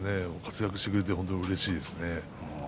活躍してくれて本当にうれしいです。